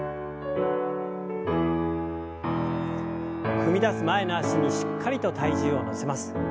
踏み出す前の脚にしっかりと体重を乗せます。